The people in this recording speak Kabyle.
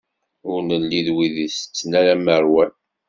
Ur nelli d wid itetten alamma ṛwan.